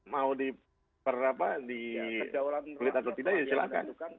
mau di perapa di kulit atau tidak ya silahkan